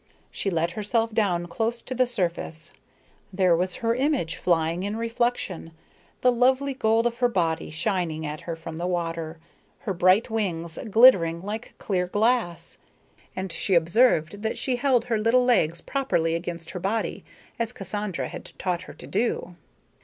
She let herself down close to the surface. There was her image flying in reflection, the lovely gold of her body shining at her from the water, her bright wings glittering like clear glass. And she observed that she held her little legs properly against her body, as Cassandra had taught her to do.